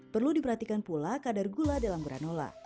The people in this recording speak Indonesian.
perlu diperhatikan pula kadar gula dalam granula